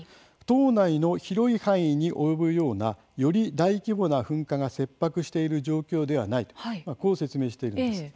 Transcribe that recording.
島内の広い範囲に及ぶようなより大規模な噴火が切迫している状況ではないとこう説明しているんです。